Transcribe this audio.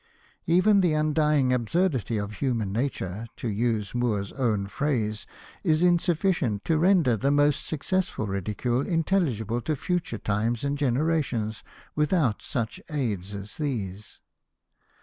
Even Hosted by Google XVI POETRY OF THOMAS MOORE the undying absurdity of human nature, to use Moore's own phrase, is insufficient to. render the most successful ridicule intelligible to future times and generations without such aids as these.